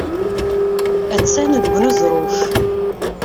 Attan deg uneẓruf.